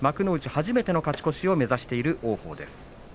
初めての勝ち越しを目指している王鵬です。